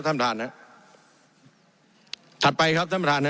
ท่านประธานฮะถัดไปครับท่านประธานนะ